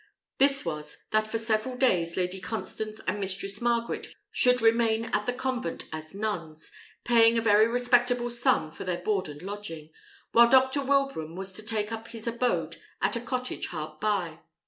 This was, that for several days Lady Constance and Mistress Margaret should remain at the convent as nuns, paying a very respectable sum for their board and lodging, while Dr. Wilbraham was to take up his abode at a cottage hard by.